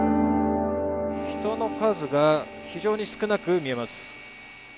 人の数が非常に少なく見えます。